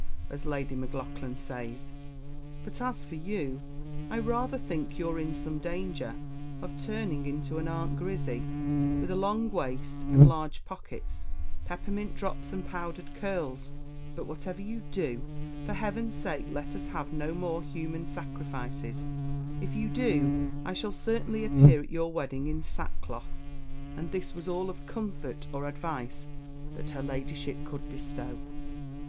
as Lady Maclaughlan says; but as for you I rather think you're in some danger of turning into an Aunt Grizzy, with a long waist and large pockets, peppermint drops and powdered curls; but, whatever you do, for heaven's sake let us have no more human sacrifices if you do, I shall certainly appear at your wedding in sackcloth." And this was all of comfort or advice that her Ladyship could bestow.